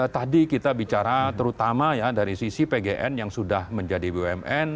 tadi kita bicara terutama ya dari sisi pgn yang sudah menjadi bumn